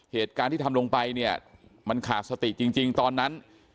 เหตุการณ์ที่ทำลงไปเนี่ยมันขาดสติจริงตอนนั้น